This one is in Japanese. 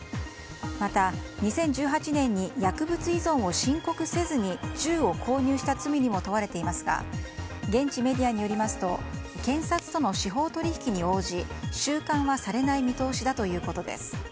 また、２０１８年に薬物依存を申告せずに銃を購入した罪にも問われていますが現地メディアによりますと検察との司法取引に応じ収監はされない見通しだということです。